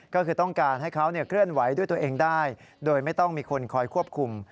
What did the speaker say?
ก็คือต้องการให้เขาเคลื่อนไหวด้วยตัวเองได้โดยไม่ต้องมีคนคอยควบคุม